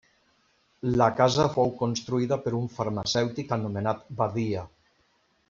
La casa fou construïda per un farmacèutic anomenat Badia.